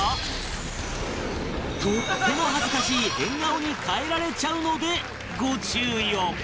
とっても恥ずかしい変顔に変えられちゃうのでご注意を